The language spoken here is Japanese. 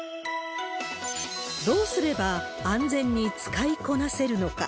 どうすれば安全に使いこなせるのか。